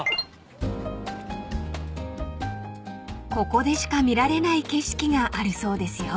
［ここでしか見られない景色があるそうですよ］